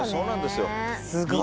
すごい。